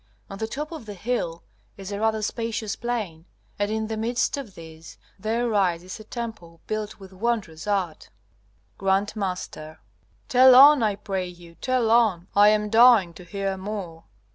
On the top of the hill is a rather spacious plain, and in the midst of this there rises a temple built with wondrous art. G.M. Tell on, I pray you! Tell on! I am dying to hear more.